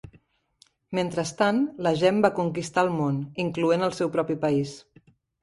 Mentrestant, la "Gem" va conquistar el món, incloent el seu propi país.